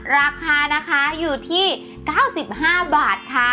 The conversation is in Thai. ราคานะคะอยู่ที่๙๕บาทค่ะ